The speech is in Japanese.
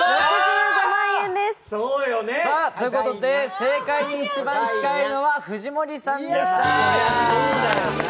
ということで、正解に一番近いのは藤森さんでした。